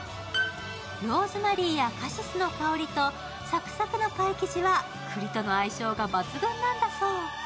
ローズマリーやカシスの香りと、サクサクのパイ生地は栗との相性が抜群なんだそう。